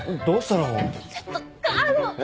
どうしたの？